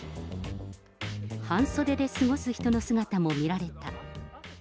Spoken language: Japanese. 半袖で過ごす人の姿も見られた。